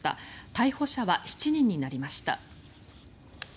逮捕者は７人になりました。